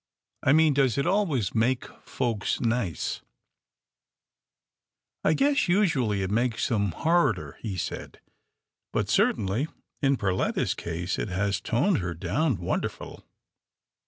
"I mean does it always make folks nice ?"" I guess usually it makes 'em horrider," he said, " but certainly, in Perletta's case, it has toned her down wonderful.